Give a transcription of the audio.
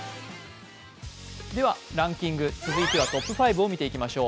ではランキング、続いてはトップ５を見ていきましょう。